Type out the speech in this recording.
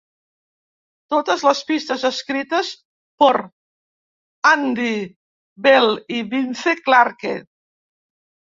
Totes les pistes escrites por Andy Bell i Vince Clarke.